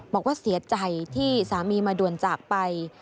บอกว่าเสียใจที่สามีมาด่วนจากไป